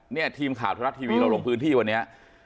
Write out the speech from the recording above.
เนี่ยทีมข่าวไทยรัฐทีวีเราลงพื้นที่วันนี้